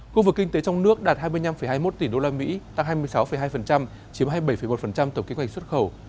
khu vực kinh tế trong nước đạt hai mươi năm hai mươi một tỷ usd tăng hai mươi sáu hai chiếm hai mươi bảy một tổng kinh hoạch xuất khẩu